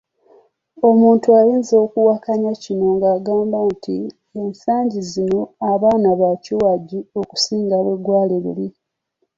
Omuntu ayinza okuwakanya kino ng’agamba nti ensangi zino abaana bakiwagi okusinga bwe gwali luli.